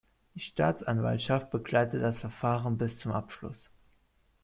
Die Staatsanwaltschaft begleitet das Verfahren bis zum Abschluss.